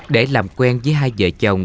để làm quen với hai vợ chồng